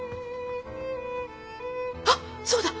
あっそうだ。